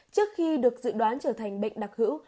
trước khi được dự đoán trở thành bệnh đặc hữu